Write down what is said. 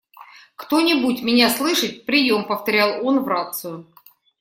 «Кто-нибудь меня слышит? Приём!», - повторял он в рацию.